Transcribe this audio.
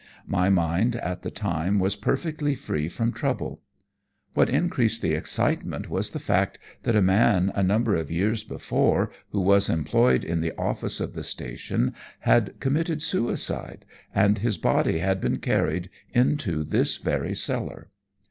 My mind at the time was perfectly free from trouble. What increased the excitement was the fact that a man a number of years before, who was employed in the office of the station, had committed suicide, and his body had been carried into this very cellar.